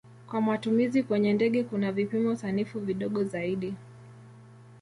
Kwa matumizi kwenye ndege kuna vipimo sanifu vidogo zaidi.